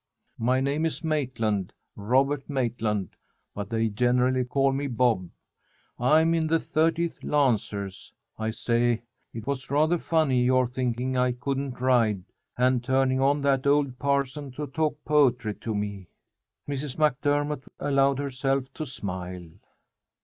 "My name is Maitland, Robert Maitland, but they generally call me Bob. I'm in the 30th Lancers. I say, it was rather funny your thinking I couldn't ride and turning on that old parson to talk poetry to me." Mrs. MacDermott allowed herself to smile.